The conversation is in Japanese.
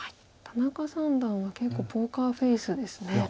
田中三段は結構ポーカーフェースですね。